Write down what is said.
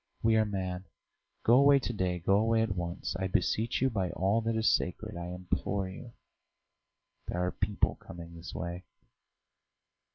"We are mad. Go away to day; go away at once.... I beseech you by all that is sacred, I implore you.... There are people coming this way!"